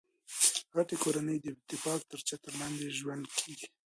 غټۍ کورنۍ د اتفاق تر چتر لاندي ژوند کیي.